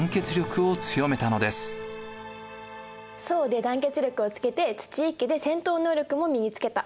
惣で団結力をつけて土一揆で戦闘能力も身につけた。